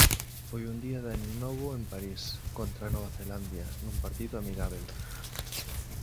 Foi un día de aninovo en París contra Nova Zelandia nun partido amigábel.